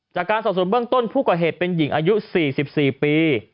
จากการสอบส่วนเบื้องต้นผู้ก่อเหตุเป็นหญิงอายุ๔๔ปี